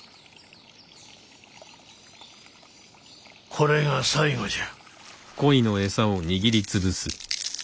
これが最後じゃ。